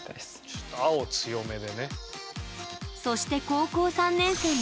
ちょっと青強めでね。